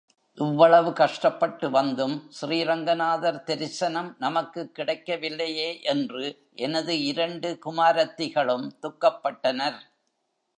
இவ்வளவு கஷ்டப்பட்டு வந்தும், ஸ்ரீரங்கநாதர் தெரிசனம் நமக்குக் கிடைக்கவில்லையே என்று எனது இரண்டு குமாரத்திகளும் துக்கப்பட்டனர்.